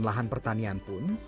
lahan pertanian pun